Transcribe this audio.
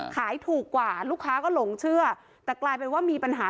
ขายถูกกว่าลูกค้าก็หลงเชื่อแต่กลายเป็นว่ามีปัญหา